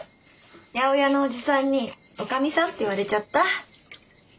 八百屋のおじさんに「おかみさん」って言われちゃった。